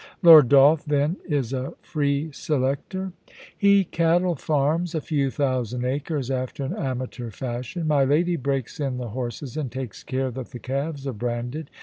* Lord Dolph, then, is a free selector ?'* He cattle farms a few thousand acres after an amateur fashion. My lady breaks in the horses and takes care that the calves are branded.